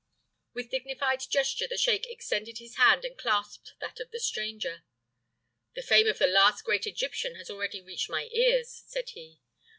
With dignified gesture the sheik extended his hand and clasped that of the stranger. "The fame of the last great Egyptian has already reached my ears," said he.